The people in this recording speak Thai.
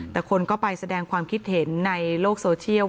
แต่คนก็ไปแสดงความคิดเห็นในโลกโซเชียล